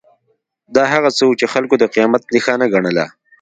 دا هغه څه وو چې خلکو د قیامت نښانه ګڼله.